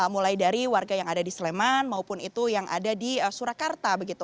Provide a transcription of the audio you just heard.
mulai dari warga yang ada di sleman maupun itu yang ada di surakarta begitu